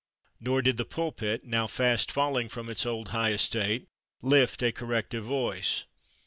Nor did the pulpit, now fast falling from its old high estate, lift a corrective voice.